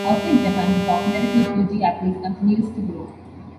Outside Japan, the popularity of Fuji apples continues to grow.